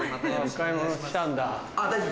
・買い物来たんだ。